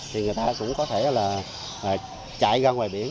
thì người ta cũng có thể là chạy ra ngoài biển